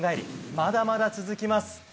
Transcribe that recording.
まだまだ続きます。